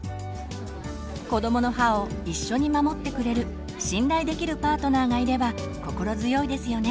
子どもの歯を一緒に守ってくれる信頼できるパートナーがいれば心強いですよね。